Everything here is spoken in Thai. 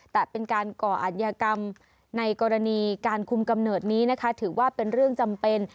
แต่เป็นการก่ออัธยกรรมในกรณีการคุมกำเนิดนี้นะคะถือว่าเป็นเรื่องจำเป็น